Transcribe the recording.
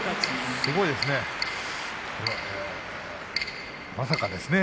すごいですね。